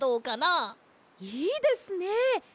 いいですね！